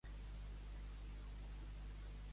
Va tenir privilegis basats en els de Lübeck.